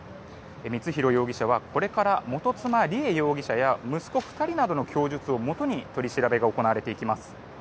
光弘容疑者はこれから元妻・梨恵容疑者や息子２人などの供述をもとに取り調べが行われていきます。